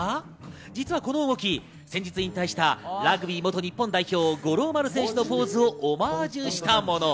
実はこの動き、先日引退したラグビー元日本代表・五郎丸選手のポーズをオマージュしたもの。